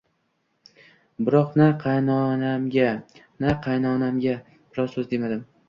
Biroq na qaynopamga, na qaynonamga biror so`z demadim